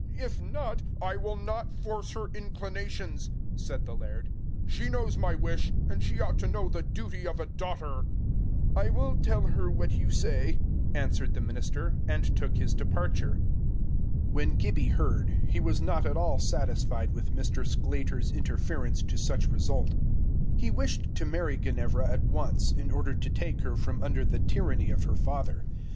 If not " "I will not force her inclinations," said the laird. "She knows my wish, and she ought to know the duty of a daughter." "I will tell her what you say," answered the minister, and took his departure. When Gibbie heard, he was not at all satisfied with Mr. Sclater's interference to such result. He wished to marry Ginevra at once, in order to take her from under the tyranny of her father.